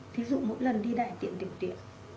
thí dụ mỗi lần đi đại tiệm tiệm tiệm